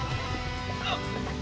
あっ！